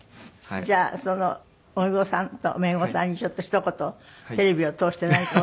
じゃあその甥御さんと姪御さんにちょっとひと言テレビを通して何か。